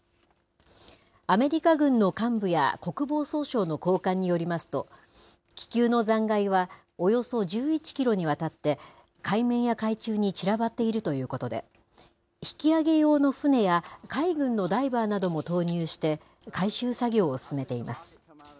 アメリカ軍の幹部や国防総省の高官によりますと、気球の残骸はおよそ１１キロにわたって、海面や海中に散らばっているということで、引き揚げ用の船や、海軍のダイバーなども投入して、回収作業を進めています。